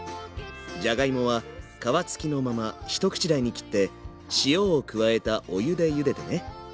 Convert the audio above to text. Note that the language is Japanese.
じゃがいもは皮付きのまま一口大に切って塩を加えたお湯でゆでてね。